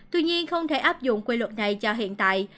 tuy nhiên không thể áp dụng quy luật này cho hiện tại